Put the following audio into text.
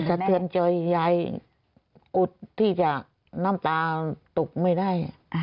สะเทือนใจยายอุดที่จะน้ำตาตกไม่ได้